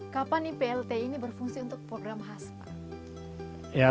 kapan iplt ini berfungsi untuk program khas pak